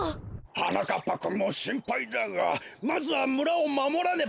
はなかっぱくんもしんぱいだがまずはむらをまもらねばならん。